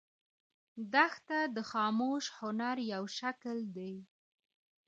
دښته د خاموش هنر یو شکل دی.